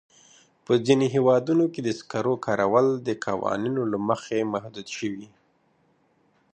په ځینو هېوادونو کې د سکرو کارول د قوانینو له مخې محدود شوي.